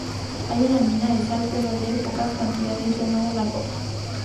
Hay una mina de sal pero de muy pocas cantidades, llamada "La Copa".